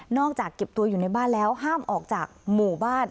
จากเก็บตัวอยู่ในบ้านแล้วห้ามออกจากหมู่บ้าน